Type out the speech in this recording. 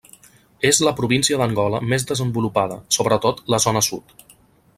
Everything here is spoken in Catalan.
És la província d'Angola més desenvolupada, sobretot la zona sud.